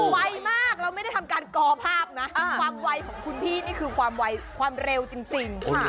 ไวมากเราไม่ได้ทำการกอภาพนะความไวของคุณพี่นี่คือความไวความเร็วจริง